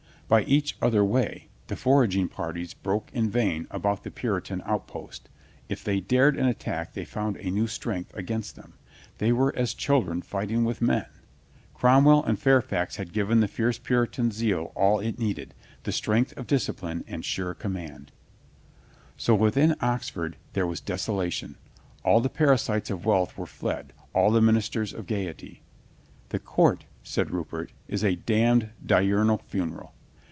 By each other way the foraging parties broke in vain about the Puri tan outposts. If they dared ,an attack they found a new strength against them. They were as chil dren fighting with men. Cromwell and Fairfax had given the fierce Puritan zeal all it needed, the strength of discipline and sure command. So within Oxford there was desolation. All the parasites of wealth were fled, all the ministers of gaiety. "The court," said Rupert, "is a damned diurnal funeral."